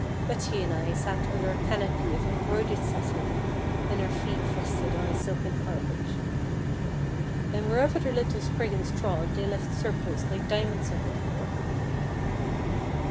Betty and I sat under a canopy of embroidered satin, and our feet rested on a silken carpet. And wherever the little Spriggans trod, they left circles like diamonds on the floor.